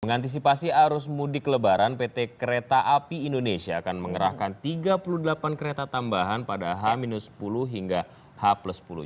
mengantisipasi arus mudik lebaran pt kereta api indonesia akan mengerahkan tiga puluh delapan kereta tambahan pada h sepuluh hingga h sepuluh